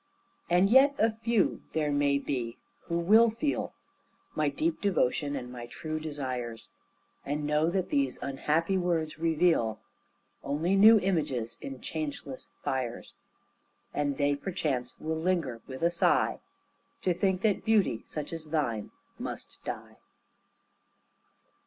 And yet a few there may be who will feel My deep devotion and my true desires, And know that these unhappy words reveal Only new images in changeless fires; And they perchance will linger with a sigh To think that beauty such as thine must die.